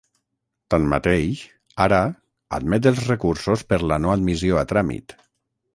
Tanmateix, ara admet els recursos per la no admissió a tràmit.